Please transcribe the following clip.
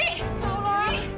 ya allah wi